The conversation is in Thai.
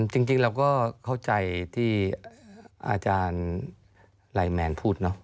จริงเราก็เข้าใจที่อาจารย์ไลนแมนพูดเนอะ